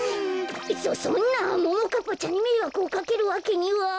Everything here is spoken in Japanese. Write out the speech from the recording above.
そそんなももかっぱちゃんにめいわくをかけるわけには。